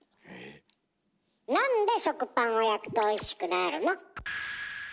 なんで食パンを焼くとおいしくなるの？